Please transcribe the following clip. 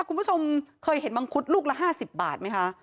คุณผู้ชมเคยเห็นมังคุดลูกละ๕๐บาทไหมคะ